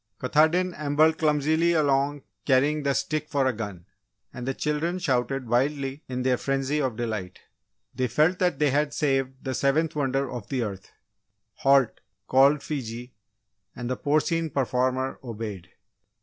Katahdin ambled clumsily along carrying the stick for a gun, and the children shouted wildly in their frenzy of delight. They felt that they had saved the seventh wonder of the earth! "Halt!" called Fiji, and the porcine performer obeyed.